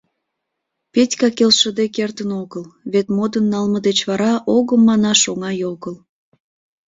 Петька келшыде кертын огыл: вет модын налме деч вара огым манаш оҥай огыл.